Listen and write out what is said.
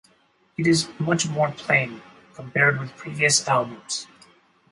It is much more plain compared with previous albums.